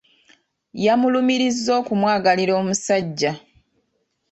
Yamulumiriza okumwagalira omusajja.